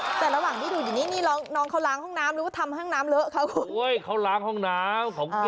แต่ระหว่างที่ดูอยู่นี่นี่น้องเขาล้างห้องน้ำหรือว่าทำห้องน้ำเลอะคะคุณ